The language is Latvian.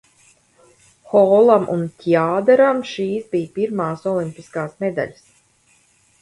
Holam un Tjaderam šīs bija pirmās olimpiskās medaļas.